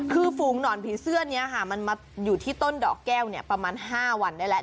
คือฝูงหนอนผีเสื้อนี้ค่ะมันมาอยู่ที่ต้นดอกแก้วประมาณ๕วันได้แล้ว